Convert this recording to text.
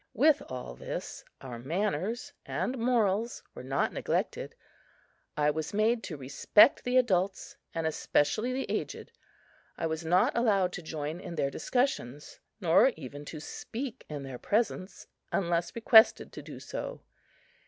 With all this, our manners and morals were not neglected. I was made to respect the adults and especially the aged. I was not allowed to join in their discussions, nor even to speak in their presence, unless requested to do so.